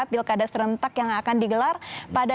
pilkada serentak yang akan digelar pada